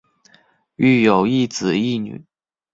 育有一子一女。